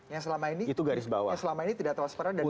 yang selama ini tidak transparan dan tidak melibatkan itu